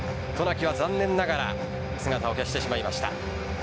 渡名喜は残念ながら姿を消してしまいました。